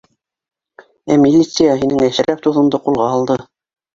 — Ә милиция һинең Әшрәф дуҫыңды ҡулға алды